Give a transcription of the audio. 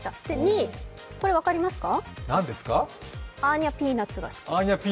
２位、これは分かりますか？